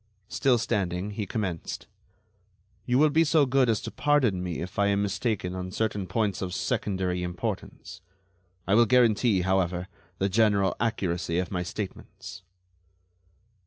Still standing, he commenced: "You will be so good as to pardon me if I am mistaken on certain points of secondary importance. I will guarantee, however, the general accuracy of my statements."